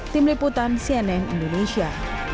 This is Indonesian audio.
tim liputan cnn indonesia